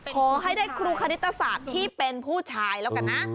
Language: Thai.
ขอให้ได้ครูคณิตศาสตร์ที่เป็นผู้ชายแล้วกันนะ